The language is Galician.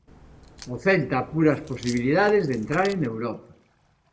O Celta apura as posibilidades de entrar en Europa.